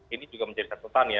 ini juga menjadi catatan ya